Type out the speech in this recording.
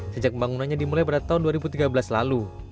sejak pembangunannya dimulai pada tahun dua ribu tiga belas lalu